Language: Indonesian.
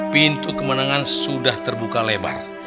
pintu kemenangan sudah terbuka lebar